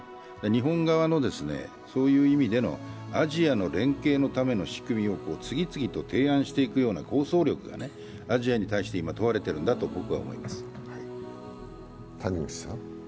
日本側のそういう意味でのアジアの連携のための仕組みを次々と提案していくような構想力がアジアに対して今、問われているんだと思います。